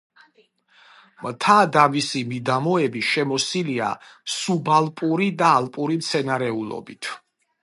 მთა და მისი მიდამოები შემოსილია სუბალპური და ალპური მცენარეულობით.